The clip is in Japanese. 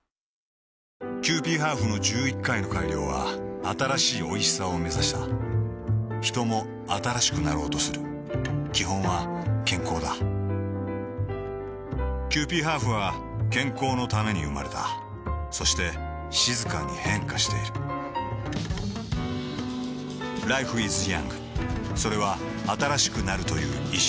キユーピーハーフの１１回の改良は新しいおいしさをめざしたヒトも新しくなろうとする基本は健康だキユーピーハーフは健康のために生まれたそして静かに変化しているＬｉｆｅｉｓｙｏｕｎｇ．それは新しくなるという意識